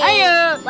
oh ini dia